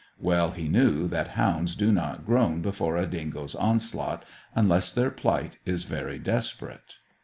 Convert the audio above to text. Well he knew that hounds do not groan before a dingo's onslaught unless their plight is very desperate.